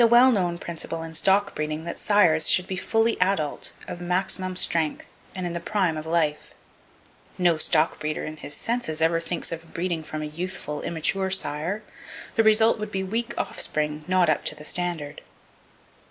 Copyright, 1911, by S.N. Leek It is a well known principle in stock breeding that sires should be fully adult, of maximum strength, and in the prime of life. No stockbreeder in his senses ever thinks of breeding from a youthful, immature sire. The result would be weak offspring not up to the standard.